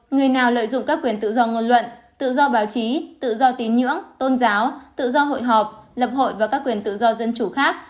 người nào lợi dụng các quyền tự do ngôn luận tự do báo chí tự do tín ngưỡng tôn giáo tự do hội họp lập hội và các quyền tự do dân chủ khác